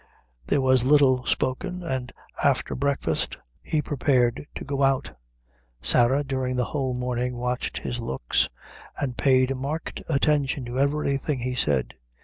There was little spoken, and after breakfast he prepared to go out. Sarah, during the whole morning, watched his looks, and paid a marked attention to every thing he said.